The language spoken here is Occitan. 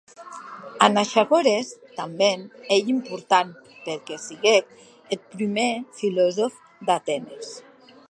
Anaxagores tanben ei important perque siguec eth prumèr filosòf d'Atenes.